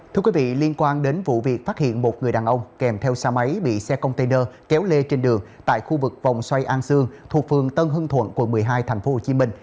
thưa quý vị liên quan đến vụ việc phát hiện một người đàn ông kèm theo xe máy bị xe container kéo lê trên đường tại khu vực vòng xoay an sương thuộc phường tân hưng thuận quận một mươi hai tp hcm